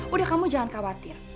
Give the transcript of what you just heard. udah kamu jangan khawatir